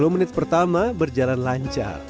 sepuluh menit pertama berjalan lancar